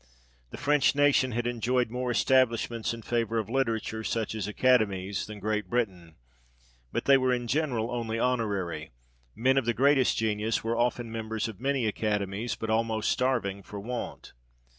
The French nation had enjoyed more establishments in favour of literature, such as academies, than Great Britain ; but they were in general only honourary : men of the greatest genius were often members of many academies, but almost starving for want.